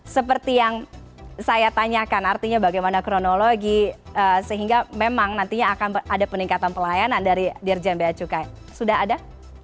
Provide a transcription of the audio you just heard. seperti yang saya tanyakan artinya bagaimana kronologi sehingga memang nantinya akan ada peningkatan pelayanan dari dirjam beacukai sudah ada